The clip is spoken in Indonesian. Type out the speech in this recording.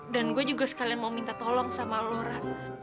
dan gue juga sekalian mau minta tolong sama lo ra